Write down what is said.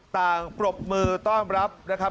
ปรบมือต้อนรับนะครับ